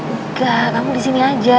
enggak kamu di sini aja